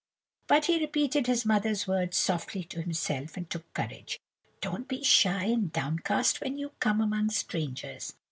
But he repeated his mother's words softly to himself, and took courage: 'Don't be shy and downcast when you come among strangers.